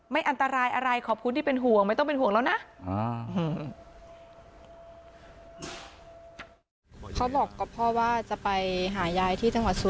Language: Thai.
อันตรายอะไรขอบคุณที่เป็นห่วงไม่ต้องเป็นห่วงแล้วนะ